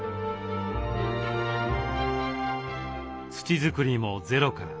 土作りもゼロから。